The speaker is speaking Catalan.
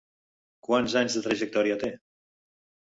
Quants anys de trajectòria té?